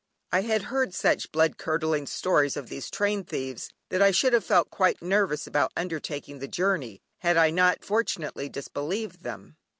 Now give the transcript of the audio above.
I had heard such blood curdling stories of these train thieves that I should have felt quite nervous about undertaking the journey, had I not fortunately disbelieved them.